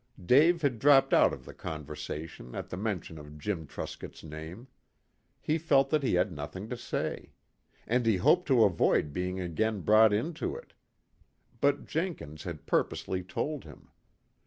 Dave had dropped out of the conversation at the mention of Jim Truscott's name. He felt that he had nothing to say. And he hoped to avoid being again brought into it. But Jenkins had purposely told him.